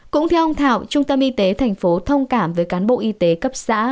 cũng theo ông thảo trung tâm y tế tp thông cảm với cán bộ y tế cấp xã